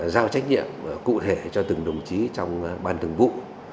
giao trách nhiệm cụ thể cho từng đồng chí trong ban thường vụ